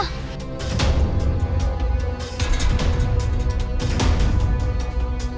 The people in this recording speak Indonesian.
gak ada apa apa